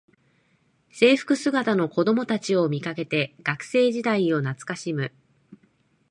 制服姿の子どもたちを見かけて学生時代を懐かしむ